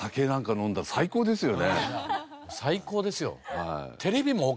最高ですよ。